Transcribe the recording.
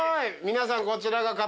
皆さんこちらが勝浦の。